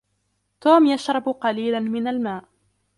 توم يشرب قليلا من الماء.